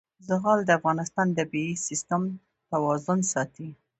زغال د افغانستان د طبعي سیسټم توازن ساتي.